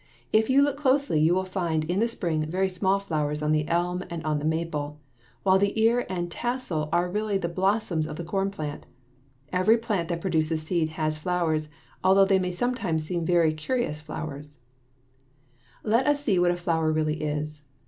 If you look closely you will find in the spring very small flowers on the elm and on the maple, while the ear and the tassel are really the blossoms of the corn plant. Every plant that produces seed has flowers, although they may sometimes seem very curious flowers. [Illustration: FIG. 31. A BUTTERCUP] Let us see what a flower really is.